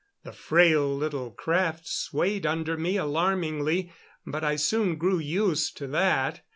The frail little craft swayed under me alarmingly, but I soon grew used to that.